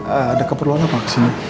ada keperluan apa kesini